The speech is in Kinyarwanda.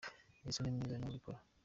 Yesu ni mwiza ni we ubikora.